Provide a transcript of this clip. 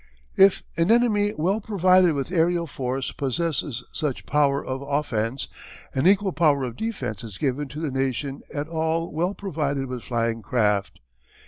If an enemy well provided with aërial force possesses such power of offence an equal power of defence is given to the nation at all well provided with flying craft.